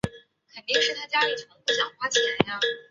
壶冠木为茜草科壶冠木属下的一个种。